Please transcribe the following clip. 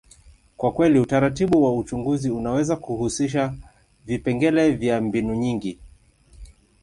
kwa kweli, utaratibu wa uchunguzi unaweza kuhusisha vipengele vya mbinu nyingi.